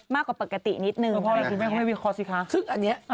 มากกว่าปกตินิดนึง